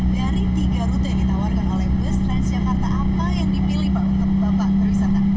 dari tiga rute yang ditawarkan oleh bus transjakarta apa yang dipilih pak untuk bapak berwisata